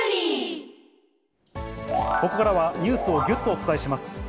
ここからはニュースをぎゅっとお伝えします。